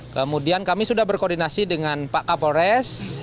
kemudian kami sudah berkoordinasi dengan pak kapolres